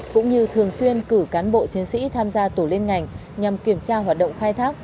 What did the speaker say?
cũng như thường xuyên cử cán bộ chiến sĩ tham gia tổ liên ngành nhằm kiểm tra hoạt động khai thác